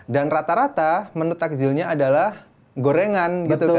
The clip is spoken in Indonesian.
dan rata rata menu takjilnya adalah gorengan